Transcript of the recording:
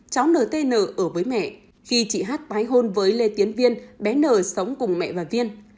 cháu ntn ở với mẹ khi chị h tái hôn với lê tiến viên bé nở sống cùng mẹ và viên